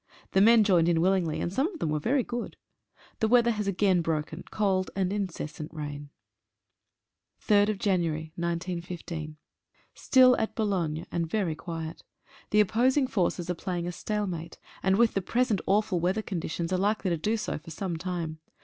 The men joined in willingly, and some of them were very good. The wea ther has again broken — cold and incessant rain. a «• 3/1/15. TILL at Boulogne, and very quiet. The opposing forces are playing a stalemate, and with the pre sent awful weather conditions are likely to do so for some time.